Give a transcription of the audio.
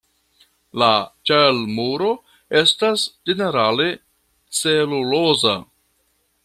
La ĉelmuro estas ĝenerale celuloza.